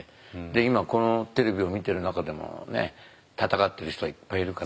で今このテレビを見てる中でも闘ってる人はいっぱいいるから。